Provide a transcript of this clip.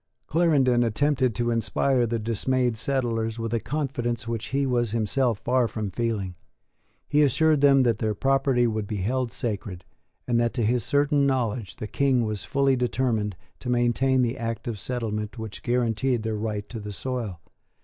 Clarendon attempted to inspire the dismayed settlers with a confidence which he was himself far from feeling. He assured them that their property would be held sacred, and that, to his certain knowledge, the King was fully determined to maintain the act of settlement which guaranteed their right to the soil.